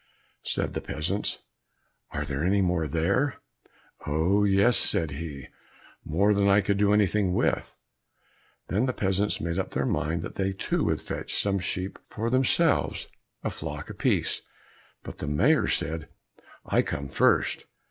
Said the peasants, "Are there any more there?" "Oh, yes," said he, "more than I could do anything with." Then the peasants made up their minds that they too would fetch some sheep for themselves, a flock apiece, but the Mayor said, "I come first."